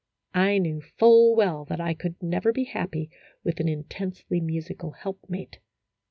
I knew full well that I could never be happy with an intensely musical helpmate.